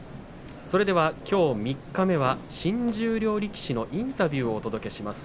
きょう三日目は新十両力士のインタビューをお届けします。